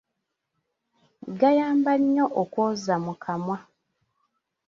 Gayamba nnyo okwoza mu kamwa.